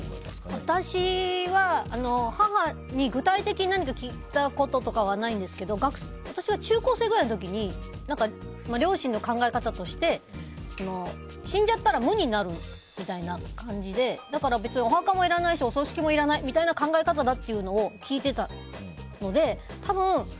私は、母に具体的に何か聞いたこととかはないんですけど私が中高生くらいの時に両親の考え方として死んじゃったら無になるみたいな感じでだからお墓もお葬式もいらないという考え方だっていうのを聞いていたので多分